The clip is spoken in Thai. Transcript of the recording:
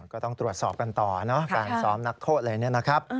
ก็ต้องตรวจสอบกันต่อเนอะการซ้อมนักโทษอะไรเนี่ยนะครับ